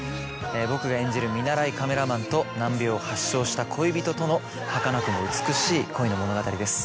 僕が演じる見習いカメラマンと難病を発症した恋人とのはかなくも美しい恋の物語です